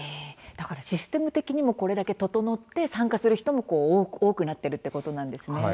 だからシステム的にもこれだけ整って参加する人も多くなっているということなんですね。